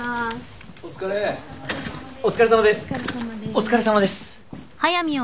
お疲れさまです。